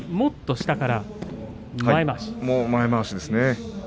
下から前まわしですね。